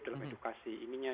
dalam edukasi ininya